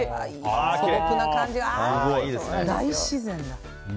大自然だ。